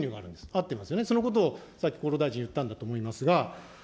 合ってますよね、そのことをさっき厚労大臣、言ったんだと思いますが。